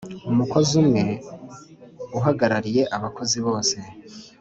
umukozi umwe uhagarariye Abakozi bose.